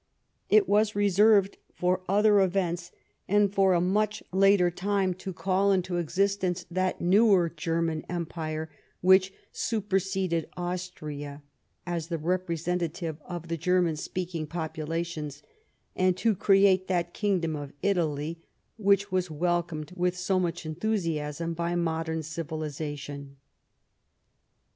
It was reserved for other events and for a much later time to call into existence that newer Ger man empire which superseded Austria as the repre sentative of the German speaking populations, and to create that kingdom of Italy which was welcomed with so much enthusiasm bv modern civilization.